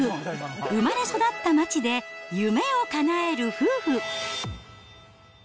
生まれ育った町で夢をかなえる夫婦。